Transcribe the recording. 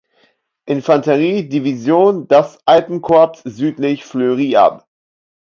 Infanterie-Division das Alpenkorps südlich Fleury ab.